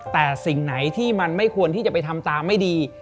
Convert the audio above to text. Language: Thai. แต่สิ่งไหนที่มันไม่ควรที่จะไปทำตามไม่ดี